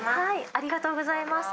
ありがとうございます。